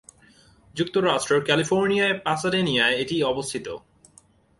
যুক্তরাষ্ট্রের ক্যালিফোর্নিয়ার পাসাডেনায় এটি অবস্থিত।